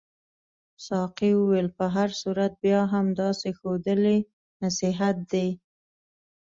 ساقي وویل په هر صورت بیا هم داسې ښودل یې نصیحت دی.